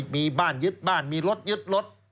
มีบ้านยึดบ้านมีรถยึดรถ